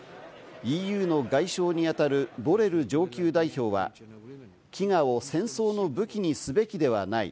ＥＵの外相にあたるボレル上級代表は飢餓を戦争の武器にすべきではない。